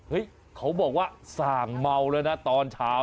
เอ้ยโทบอล์ว่าส่างเมาแล้วนะตอนเช้า